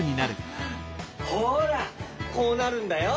ほらこうなるんだよ！